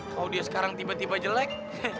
kalau dia sekarang tiba tiba jelek